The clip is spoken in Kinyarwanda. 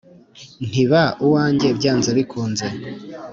Nti ba uwanjye byanze bikunze